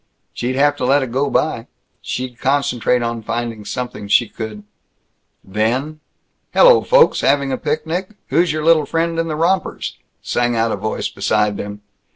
She'd have to let it go by. She'd concentrate on finding something she could Then, "Hello, folks. Having a picnic? Who's your little friend in the rompers?" sang out a voice beside them.